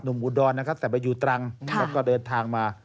หนุ่มอุดรใส่ไปอยู่ตรังแล้วก็เดินทางมา